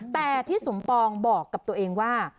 แต่ที่สมปองบอกกับตัวเองว่า